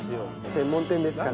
専門店ですから。